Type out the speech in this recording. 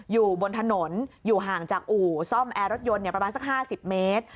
อยู่บนถนนอยู่ห่างจากอู่ซ่อมแอร์รถยนต์ประมาณสัก๕๐เมตร